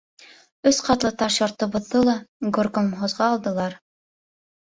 Өс ҡатлы таш йортобоҙҙо ла горкомхозға алдылар...